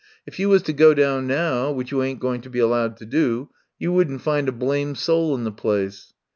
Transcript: If you was to go down now — which you ain't going to be allowed to do — you wouldn't find a blamed soul in the place.